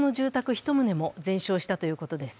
１棟も全焼したということです。